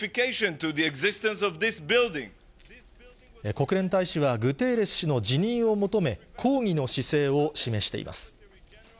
国連大使はグテーレス氏の辞任を求め、抗議の姿勢を示しています。